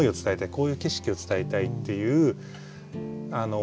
こういう景色を伝えたいっていう想い。